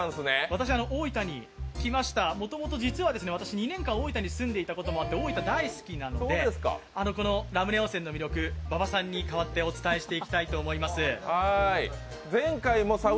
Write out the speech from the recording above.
もともと実は私２年間に大分に住んでいたこともあって大分、大好きなんでラムネ温泉の魅力馬場さんに代わってお伝えしていきたいと思います。